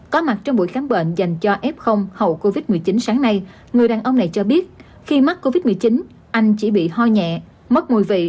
có mặt trong buổi khám bệnh dành cho f hậu covid một mươi chín sáng nay người đàn ông này cho biết khi mắc covid một mươi chín anh chỉ bị ho nhẹ mất mùi vị